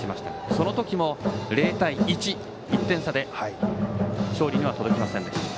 その時も０対１、１点差で勝利には届きませんでした。